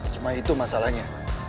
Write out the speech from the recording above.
cuma itu masalahnya